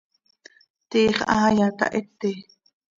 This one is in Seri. ¿Tiix haaya tahiti?